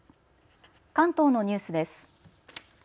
関東のニュースです。